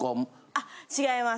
あっ違います。